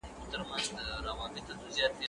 ته ولي سبا ته فکر کوې!.